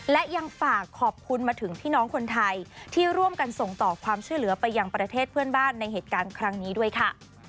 และยังฝากขอบคุณมาถึงพี่น้องคนไทยที่ร่วมกันส่งต่อความช่วยเหลือไปยังประเทศเพื่อนบ้านในเหตุการณ์ครั้งนี้ด้วยค่ะ